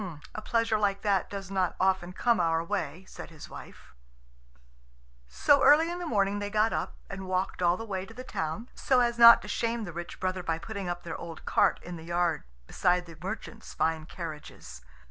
"A pleasure like that does not often come our way," said his wife. So early in the morning they got up, and walked all the way to the town, so as not to shame the rich brother by putting up their old cart in the yard beside the merchants' fine carriages.